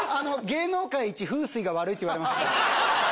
芸能界一風水が悪いって言われました。